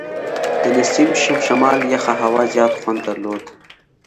د نسیم شمال یخه هوا زیات خوند درلود.